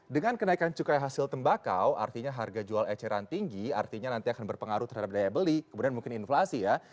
dengan kenaikan cukai hasil tembakau artinya harga jual eceran tinggi artinya nanti akan berpengaruh terhadap daya beli kemudian mungkin inflasi ya